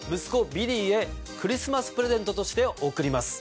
ビリーへクリスマスプレゼントとして贈ります。